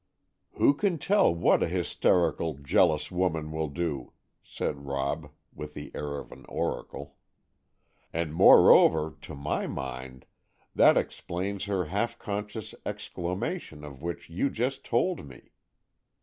"Who can tell what a hysterical, jealous woman will do?" said Rob, with the air of an oracle. "And moreover, to my mind, that explains her half conscious exclamation of which you just told me.